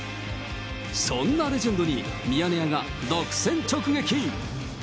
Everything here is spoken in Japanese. そんなレジェンドにミヤネ屋が独占直撃。